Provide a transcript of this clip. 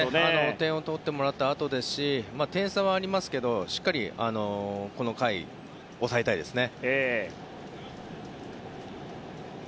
点を取ってもらったあとですし点差はありますがしっかりこの回抑えたいですね。